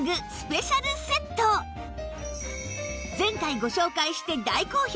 前回ご紹介して大好評！